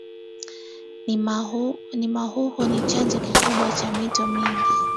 nimahuhu ni chanzo kikubwa cha mito mingi